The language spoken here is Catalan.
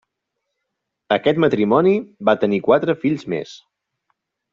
Aquest matrimoni va tenir quatre fills més.